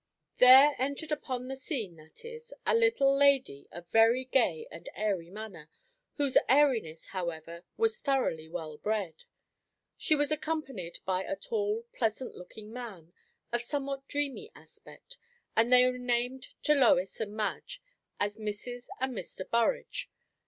There entered upon the scene, that is, a little lady of very gay and airy manner; whose airiness, however, was thoroughly well bred. She was accompanied by a tall, pleasant looking man, of somewhat dreamy aspect; and they were named to Lois and Madge as Mrs. and Mr. Burrage.